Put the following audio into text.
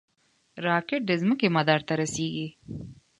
راکټ د ځمکې مدار ته رسېږي